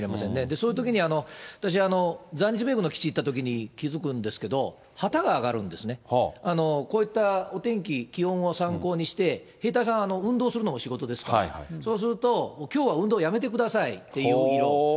そういうときに、私、在日米軍の基地に行ったときに気付くんですけど、旗が上がるんですね、こういったお天気、気温を参考にして、兵隊さん、運動するのも仕事ですから、そうすると、きょうは運動やめてくださいっていう色。